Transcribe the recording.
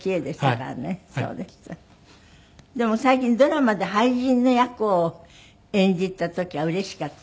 でも最近ドラマで俳人の役を演じた時はうれしかった？